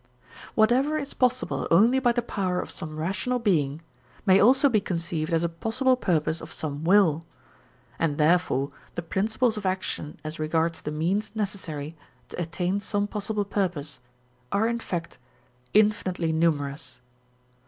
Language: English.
Whatever is possible only by the power of some rational being may also be conceived as a possible purpose of some will; and therefore the principles of action as regards the means necessary to attain some possible purpose are in fact infinitely numerous.